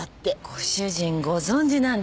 ご主人ご存じなんですか？